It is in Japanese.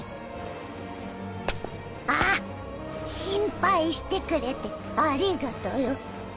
ああ心配してくれてありがとよ。